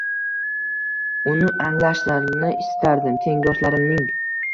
Uni anglashlarini istardim tengdoshlarimning.